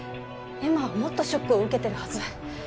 恵麻はもっとショックを受けてるはず。